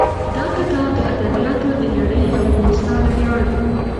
دا کتاب د ادبیاتو د نړۍ یو بې مثاله ویاړ دی.